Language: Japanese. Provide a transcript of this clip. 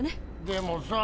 でもさ。